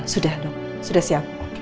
sudah no sudah siap